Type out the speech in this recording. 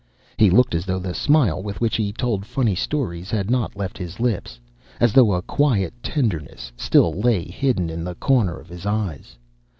He looked as though the smile with which he told funny stories had not left his lips, as though a quiet tenderness still lay hidden in the corner of his eyes.